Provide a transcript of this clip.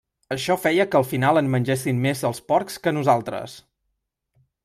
Això feia que al final en mengessin més els porcs que nosaltres.